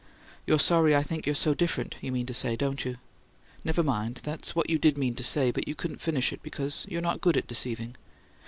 "You're sorry I think you're so different, you mean to say, don't you? Never mind: that's what you did mean to say, but you couldn't finish it because you're not good at deceiving."